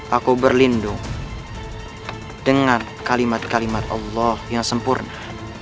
aku berlindung dengan kalimat kalimat allah yang sempurna